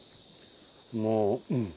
もううん。